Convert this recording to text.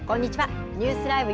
ニュースＬＩＶＥ！